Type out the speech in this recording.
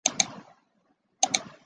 蒙特格里多尔福。